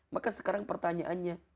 maka sekarang pertanyaannya